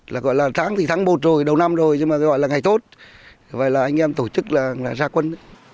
là gọi là tháng thì tháng một rồi đầu năm rồi nhưng mà gọi là ngày tốt gọi là anh em tổ chức là ra quân